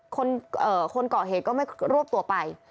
คนเกาะเหตุก็ไม่รวบตัวไป